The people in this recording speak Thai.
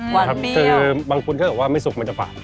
หวานเบี้ยวคือบางพุทธถ้าเกิดว่าไม่สุกมันจะฝาด